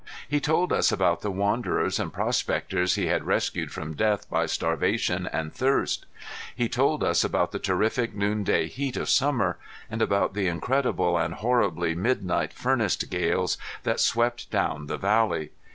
He told us about the wanderers and prospectors he had rescued from death by starvation and thirst; he told us about the terrific noonday heat of summer; and about the incredible and horrible midnight furnace gales that swept down the valley.